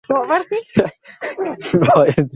তিনি তার জনপ্রিয়তম চিত্রকর্মের অন্যতম অঙ্কন করেন।